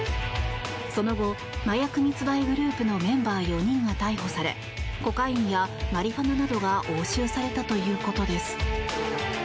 その後、麻薬密売グループのメンバー４人が逮捕されコカインやマリファナなどが押収されたということです。